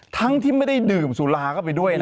ทั้งที่ไม่ได้ดื่มสุราเข้าไปด้วยนะ